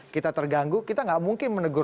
kita terganggu kita gak mungkin menegur